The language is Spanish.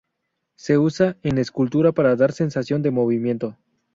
Se usa en escultura para dar sensación de movimiento.